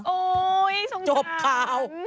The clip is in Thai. โอ๊ยสงสารจบข่าว